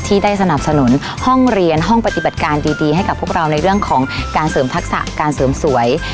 ที่ได้สนับสนุนห้องเรียนห้องปฏิบัติการดีให้กับพวกเราในเรื่องของการเสริมทักษะการเสริมสวย